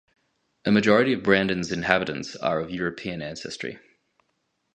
A majority of Brandon's inhabitants are of European ancestry.